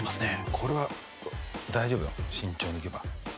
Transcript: これは大丈夫だ慎重にいけば。